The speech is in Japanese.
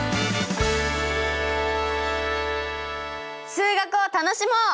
数学を楽しもう！